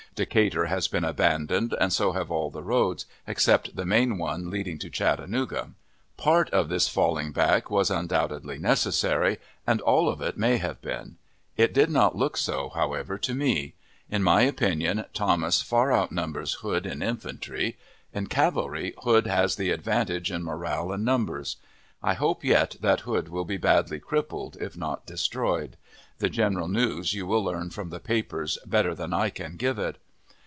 Decatur has been abandoned, and so have all the roads, except the main one leading to Chattanooga. Part of this falling back was undoubtedly necessary, and all of it may have been. It did not look so, however, to me. In my opinion, Thomas far outnumbers Hood in infantry. In cavalry Hood has the advantage in morale and numbers. I hope yet that Hood will be badly crippled, if not destroyed. The general news you will learn from the papers better than I can give it.